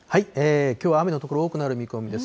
きょうは雨の所多くなる見込みです。